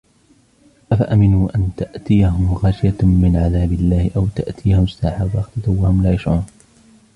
أَفَأَمِنُوا أَنْ تَأْتِيَهُمْ غَاشِيَةٌ مِنْ عَذَابِ اللَّهِ أَوْ تَأْتِيَهُمُ السَّاعَةُ بَغْتَةً وَهُمْ لَا يَشْعُرُونَ